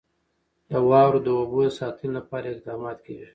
د واورو د اوبو د ساتنې لپاره اقدامات کېږي.